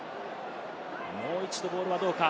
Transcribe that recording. もう一度、ボールはどうか。